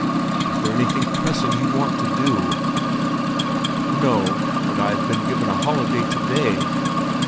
Is there anything pressing you want to do?" "No, but I have been given a holiday to day."